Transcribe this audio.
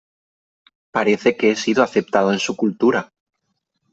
Parece que he sido aceptado en su cultura .